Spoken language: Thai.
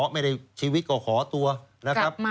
ไม่ได้ชีวิตก็ขอตัวนะครับ